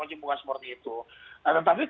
saya kami akan kemudian tidak akan melakukan proses itu